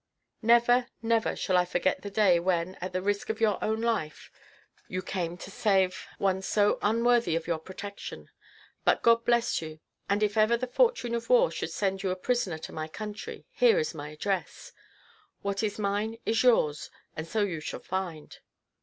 Never, never, shall I forget the day when, at the risk of your own life, you came to save one so unworthy of your protection; but God bless you! and if ever the fortune of war should send you a prisoner to my country, here is my address what is mine is yours, and so you shall find."